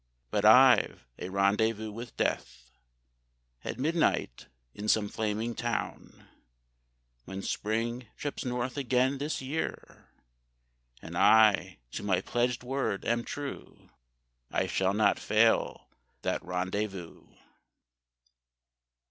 . But I've a rendezvous with Death At midnight in some flaming town, When Spring trips north again this year, And I to my pledged word am true, I shall not fail that rendezvous.